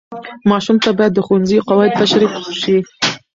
ماشوم ته باید د ښوونځي قواعد تشریح شي.